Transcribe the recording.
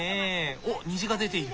おっ虹が出ている。